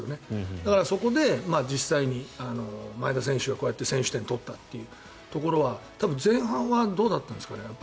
だから、そこで実際に前田選手が先制点を取ったというのは多分、前半はどうだったんですかね。